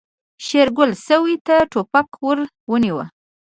شېرګل سوی ته ټوپک ور ونيو.